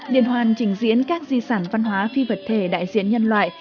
liên hoàn trình diễn các di sản văn hóa phi vật thể đại diện nhân loại